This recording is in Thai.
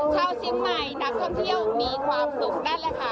ชาวเชียงใหม่นักท่องเที่ยวมีความสุขนั่นแหละค่ะ